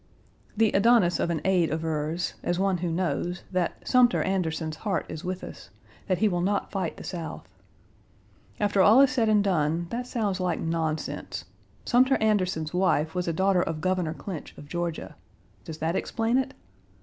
The Adonis of an aide avers, as one who knows, that "Sumter" Anderson's heart is with us; that he will not fight the South. After all is said and done that sounds like nonsense. "Sumter" Anderson's wife was a daughter of Governor Clinch, of Georgia. Does that explain it?